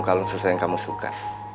kalau sesuai yang kamu suka